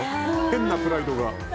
変なプライドが。